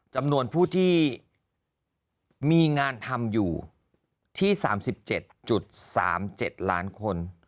จำนวนผู้ที่มีงานทำอยู่ที่๓๗๓๗ล้านคน